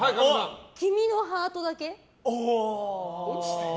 君のハートだけ？